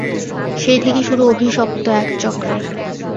সেই থেকে শুরু অভিশপ্ত এক চক্রের।